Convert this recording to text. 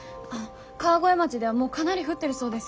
川越町ではもうかなり降ってるそうです。